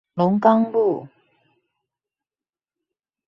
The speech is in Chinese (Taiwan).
龍岡路